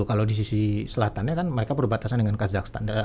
kalau di sisi selatannya kan mereka berbatasan dengan kazakhstan